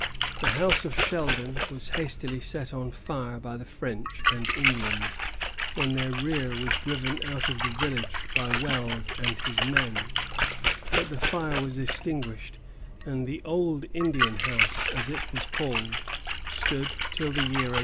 The house of Sheldon was hastily set on fire by the French and Indians when their rear was driven out of the village by Wells and his men; but the fire was extinguished, and "the Old Indian House," as it was called, stood till the year 1849.